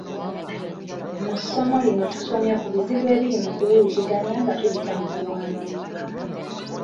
Mu ssomo lino tusomye ku bizibu ebiri mu kuwuliziganya nga tuyita mu kuwandiika.